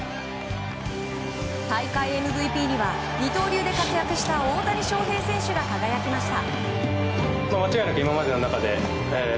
大会ＭＶＰには二刀流で活躍した大谷翔平が輝きました。